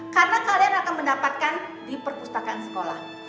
karena kalian akan mendapatkan di perpustakaan sekolah